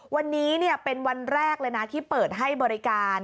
วันนี้เป็นวันแรกเลยนะที่เปิดให้บริการ